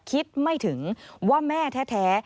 คิดไม่ถึงว่าแม่แท้